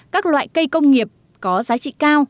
các loại cây công nghiệp có giá trị cao